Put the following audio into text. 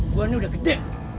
gue ini udah gede